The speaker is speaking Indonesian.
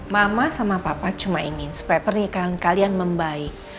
mama sama papa cuma ingin supaya pernikahan kalian membaik